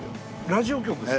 ラジオ局ですか？